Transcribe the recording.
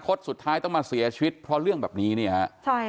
กลุ่มวัยรุ่นกลัวว่าจะไม่ได้รับความเป็นธรรมทางด้านคดีจะคืบหน้า